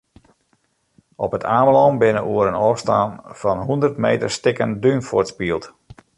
Op It Amelân binne oer in ôfstân fan hûndert meter stikken dún fuortspield.